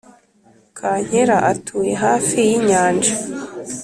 kankera atuye hafi yinyanja